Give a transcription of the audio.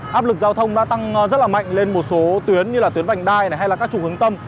hệ thống đã tăng rất là mạnh lên một số tuyến như là tuyến vành đai này hay là các chủ hướng tâm